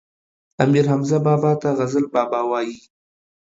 امير حمزه بابا ته غزل بابا وايي